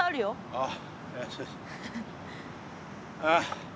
ああ。